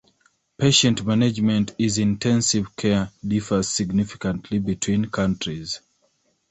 Patient management in intensive care differs significantly between countries.